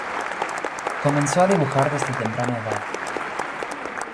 Comenzó a dibujar desde temprana edad.